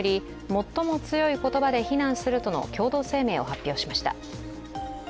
最も強い言葉で非難するとの共同声明を発表しました。